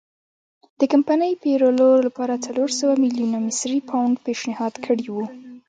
د کمپنۍ پېرلو لپاره څلور سوه میلیونه مصري پونډ پېشنهاد کړي وو.